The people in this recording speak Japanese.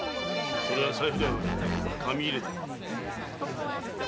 それは財布でなくて紙入れだ。